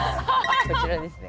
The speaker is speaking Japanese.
こちらですね。